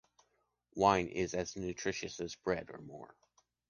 Wine is as nutritious as bread, or more.